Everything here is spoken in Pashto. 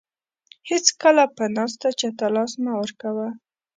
هیڅکله په ناسته چاته لاس مه ورکوه.